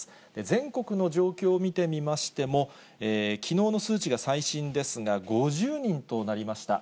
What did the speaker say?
全国の状況を見てみましても、きのうの数値が最新ですが、５０人となりました。